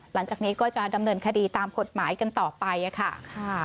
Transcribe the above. หลังจากนี้ก็จะดำเนินคดีตามกฎหมายกันต่อไปค่ะ